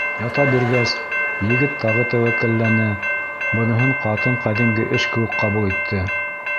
Ята биргәс, егет тағы тәүәккәлләне, быныһын ҡатын ҡәҙимге эш кеүек ҡабул итте.